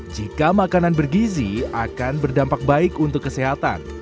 jika makanan bergizi akan berdampak baik untuk kesehatan